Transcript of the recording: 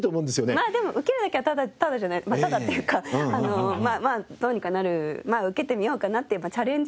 まあでも受けるだけはタダタダっていうかまあどうにかなる受けてみようかなっていうチャレンジ